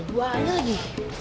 dua aja lagi